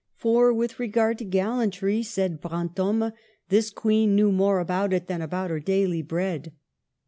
'' For with regard to gallantry," said Brantome, '' this Queen knew more about it than about her daily bread."